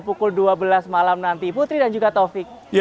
pukul dua belas malam nanti putri dan juga taufik